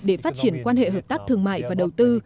để phát triển quan hệ hợp tác thương mại và đầu tư